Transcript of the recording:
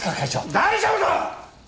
大丈夫だ！